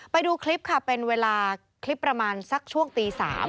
ไปดูคลิปค่ะเป็นเวลาคลิปประมาณสักช่วงตี๓